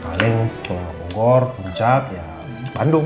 kaleng bungkor pujat ya bandung